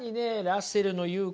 ラッセルの言う